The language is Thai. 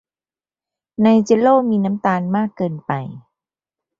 ในเจลโล่มีน้ำตาลมากเกินไป